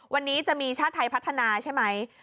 วันนี้จะมีชาติไทยพัฒนาใช่ไหม